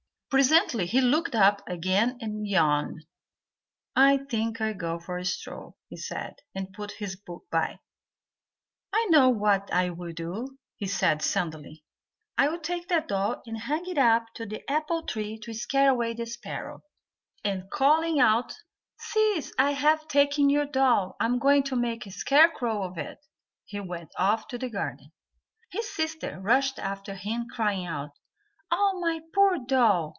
Presently he looked up again and yawned. "I think I'll go for a stroll," he said, and put his book by. "I know what I'll do," he said, suddenly; "I'll take that doll and hang it up to the apple tree to scare away the sparrows." And calling out, "Sis, I have taken your doll; I'm going to make a scarecrow of it," he went off to the garden. His sister rushed after him, crying out, "Oh, my poor doll!